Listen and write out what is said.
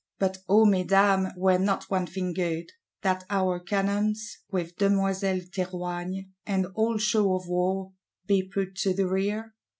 But, O Mesdames, were not one thing good: That our cannons, with Demoiselle Théroigne and all show of war, be put to the rear?